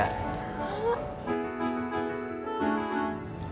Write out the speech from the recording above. oh gitu doang